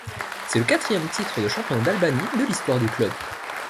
C'est le quatrième titre de champion d'Albanie de l'histoire du club.